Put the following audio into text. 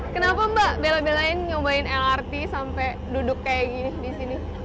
kenapa mbak bela belain nyobain lrt sampai duduk kayak gini di sini